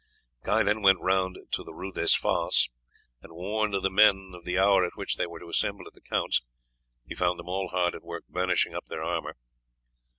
Guy then went round to the Rue des Fosses and warned the men of the hour at which they were to assemble at the count's. He found them all hard at work burnishing up their armour.